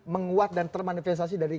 menguat dan termanifestasi dari